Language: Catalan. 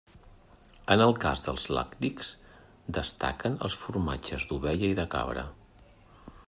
En el cas dels làctics, destaquen els formatges d'ovella i de cabra.